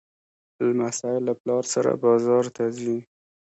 لمسی له پلار سره بازار ته ځي.